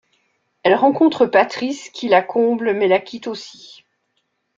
Elle rencontre Patrice qui la comble mais la quitte aussi.